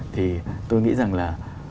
thì tôi nghĩ rằng là